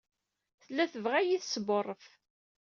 Tella tebɣa ad iyi-tesbuṛṛef.